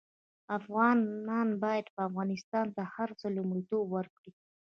افغانان باید افغانستان ته له هر څه لومړيتوب ورکړي